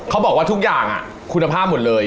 เขาบอกว่าทุกอย่างคุณภาพหมดเลย